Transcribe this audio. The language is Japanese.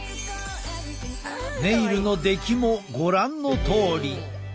ネイルの出来もご覧のとおり！